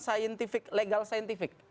saintifik legal saintifik